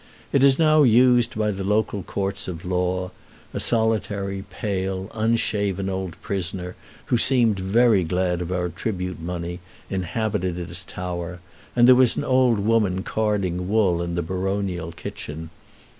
It is now used by the local courts of law; a solitary, pale, unshaven old prisoner, who seemed very glad of our tribute money, inhabited its tower, and there was an old woman carding wool in the baronial kitchen.